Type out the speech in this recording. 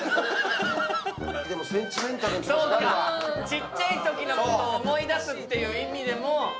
そっか、ちっちゃいときのことを思い出すという意味でも。